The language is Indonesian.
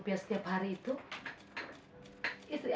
itu tidak akan menyebabkan anda memiliki kegagalan